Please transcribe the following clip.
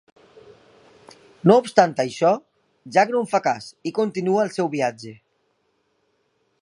No obstant això, Jack no en fa cas i continua el seu viatge.